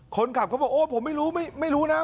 คนขับก็บอกโอ้ผมไม่รู้นะ